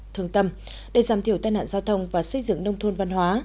thương tâm để giảm thiểu tai nạn giao thông và xây dựng nông thôn văn hóa